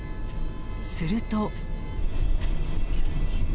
すると。